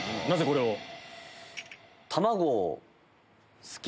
なぜこれを？